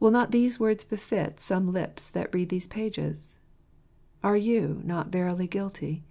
Will not these words befit some lips that read these pages ? Are you not verily guilty